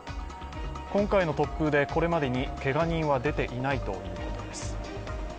今回の突風でこれまでに、けが人は出ていないということです。